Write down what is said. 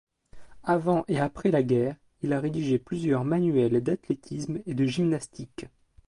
Avant et après la guerre, il a rédigé plusieurs manuels d'athlétisme et de gymnastique.